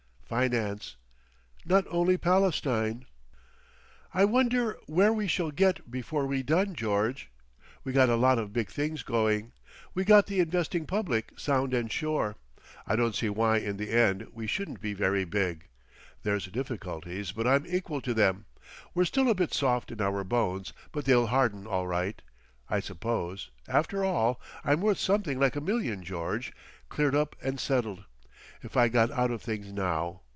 Zzzz.... Finance.... Not only Palestine. "I wonder where we shall get before we done, George? We got a lot of big things going. We got the investing public sound and sure. I don't see why in the end we shouldn't be very big. There's difficulties but I'm equal to them. We're still a bit soft in our bones, but they'll harden all right.... I suppose, after all, I'm worth something like a million, George, cleared up and settled. If I got out of things now.